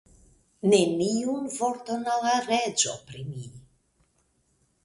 Neniun vorton al la reĝo pri mi.